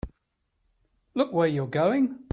Look where you're going!